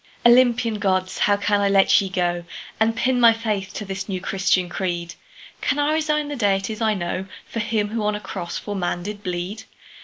Olympian Gods! how can I let ye go And pin my faith to this new Christian creed? Can I resign the deities I know For him who on a cross for man did bleed?